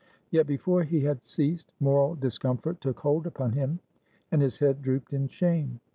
Yet, before he had ceased, moral discomfort took hold upon him, and his head drooped in shame.